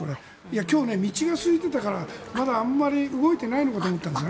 今日、道がすいていたからまだあまり動いてないのかと思ったんですが。